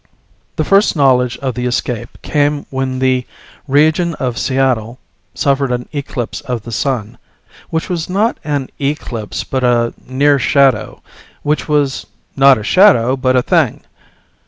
The first knowledge of the escape came when the region of Seattle suffered an eclipse of the sun, which was not an eclipse but a near shadow, which was not a shadow but a thing.